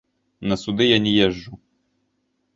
На суды я не езджу.